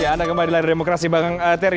ya anda kembalilah di demokrasi bang terry